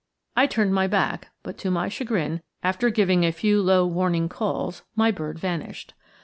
I turned my back, but, to my chagrin, after giving a few low warning calls, my bird vanished.